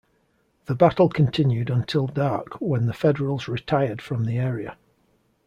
The battle continued until dark, when the Federals retired from the area.